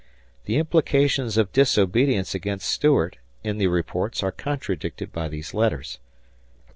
The implications of disobedience against Stuart in the reports are contradicted by these letters.